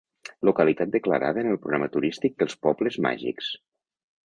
Localitat declarada en el programa turístic dels Pobles Màgics.